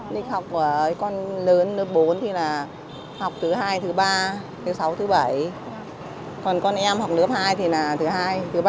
lịch học của con lớn thứ bốn thì là học thứ hai thứ ba thứ sáu thứ bảy còn con em học lớp hai thì là thứ hai thứ ba